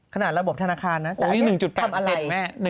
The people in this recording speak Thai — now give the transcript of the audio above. ขนาดระบบธนาคารนะแต่ทำอะไร